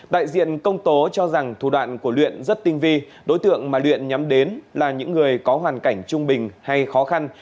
đại diện công tố cho rằng thủ đoạn của luyện rất tinh vi đối tượng mà luyện nhắm đến là những người có hoàn cảnh trung bình hay khó khăn